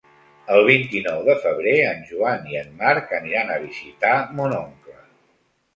El vint-i-nou de febrer en Joan i en Marc aniran a visitar mon oncle.